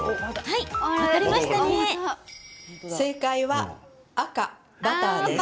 正解は赤・バターです。